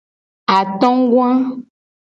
Atogoa.